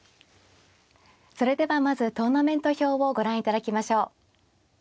それではまずトーナメント表をご覧いただきましょう。